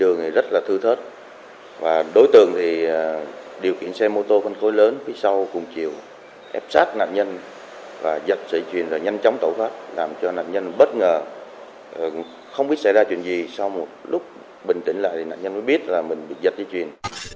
nạn nhân bất ngờ không biết xảy ra chuyện gì sau một lúc bình tĩnh lại thì nạn nhân mới biết là mình bị giật dây chuyển